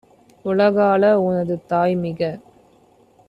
உலகாளஉ னதுதாய்மிக